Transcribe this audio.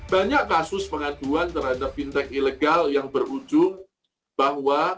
banyak kasus pengaduan terhadap fintech ilegal yang berujung bahwa